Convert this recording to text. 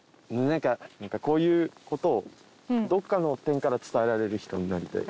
なんかこういう事をどこかの点から伝えられる人になりたい。